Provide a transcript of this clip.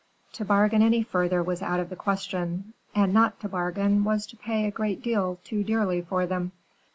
To bargain any further was out of the question; and not to bargain was to pay a great deal too dearly for them.